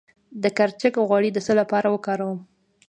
د کرچک غوړي د څه لپاره وکاروم؟